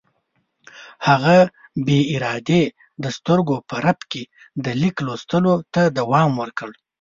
هغه بې ارادې د سترګو په رپ کې د لیک لوستلو ته دوام ورکړ.